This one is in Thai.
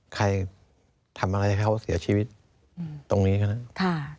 ใครทำอะไรให้เขาเสียชีวิตตรงนี้ครับ